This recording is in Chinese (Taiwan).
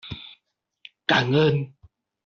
感恩！